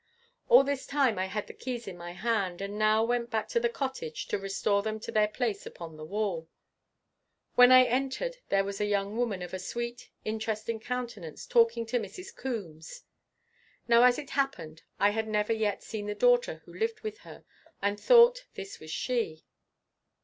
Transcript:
All this time I had the keys in my hand, and now went back to the cottage to restore them to their place upon the wall. When I entered there was a young woman of a sweet interesting countenance talking to Mrs. Coombes. Now as it happened, I had never yet seen the daughter who lived with her, and thought this was she.